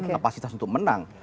kapasitas untuk menang